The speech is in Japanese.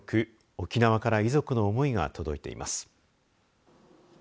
沖縄から遺族の思いが届いています。